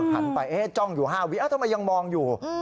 หันไปจ้องอยู่๕วิทำไมยังมองอยู่